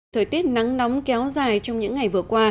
thời tiết nắng nóng kéo dài trong những ngày vừa qua